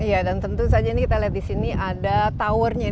iya dan tentu saja ini kita lihat di sini ada towernya